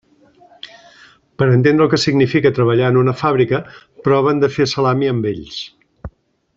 Per entendre el que significa treballar en una fàbrica, proven de fer salami amb ells.